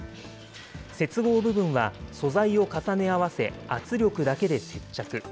接合部分は素材を重ね合わせ、圧力だけで接着。